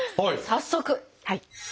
早速！